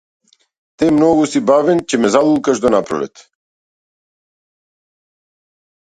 Те многу си бавен, ќе ме залулкаш до напролет!